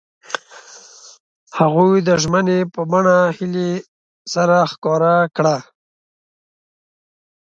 هغوی د ژمنې په بڼه هیلې سره ښکاره هم کړه.